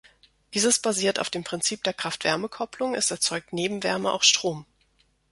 Dieses basiert auf dem Prinzip der Kraft-Wärme-Kopplung; es erzeugt neben Wärme auch Strom.